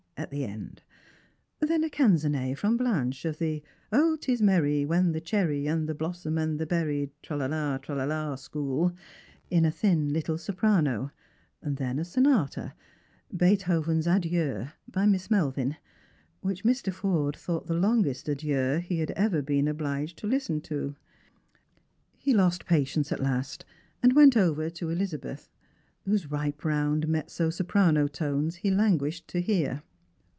at the end ; then a canzonet from Blanche, of the " 0, 'tis merry when the cherry and the blossom and the berry, tra la la la, tra la la " school, in a thin little soprano ; then a sonata — Beethoven's " Adieu "— by Miss Melvin, which Mr. Forde thought the longest adieu he had ever been obliged to listen to. He lost patience at last, and went over to Elizabeth, whose ripe round mezzo soprano tones he languished to hear.